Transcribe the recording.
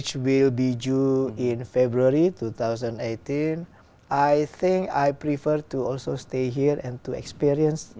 chúng tôi có thể làm được